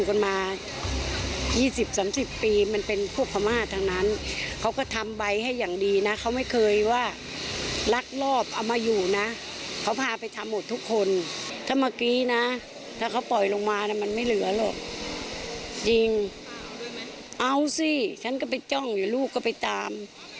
เอาสิฉันก็ไปจ้องเดี๋ยวลูกก็ไปตาม